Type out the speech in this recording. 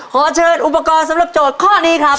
ขอเชิญอุปกรณ์สำหรับโจทย์ข้อนี้ครับ